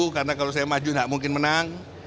karena kalau saya maju tidak mungkin menang